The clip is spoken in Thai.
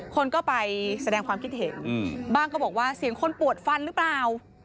คนก็ไปแสดงความคิดเห็นบ้างก็บอกว่าเสียงคนปวดฟันหรือเปล่า